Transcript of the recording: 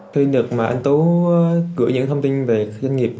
khi được mà anh tú gửi những thông tin về doanh nghiệp